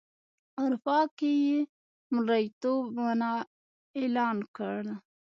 اروپا کې یې مریتوب منع اعلان کړ.